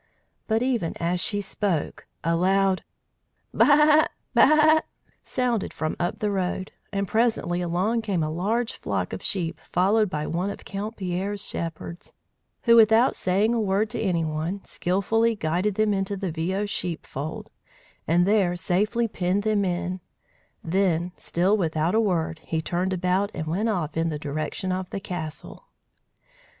But even as she spoke, a loud "Baa! Baa!" sounded from up the road, and presently along came a large flock of sheep followed by one of Count Pierre's shepherds, who, without saying a word to any one, skilfully guided them into the Viaud sheepfold, and there safely penned them in; then, still without a word, he turned about and went off in the direction of the castle.